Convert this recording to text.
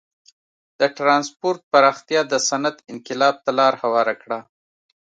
د ټرانسپورت پراختیا د صنعت انقلاب ته لار هواره کړه.